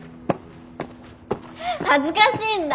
恥ずかしいんだ！